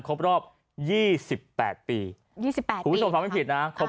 ครบรอบ๒๘ปี